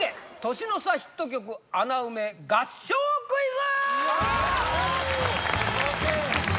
年の差ヒット曲穴埋め合唱クイズ